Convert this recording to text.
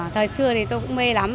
thời xưa thì tôi cũng mê lắm